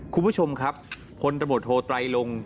คุณผู้ชมครับผลตะบดโทรไตรลง